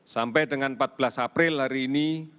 sampai dengan empat belas april hari ini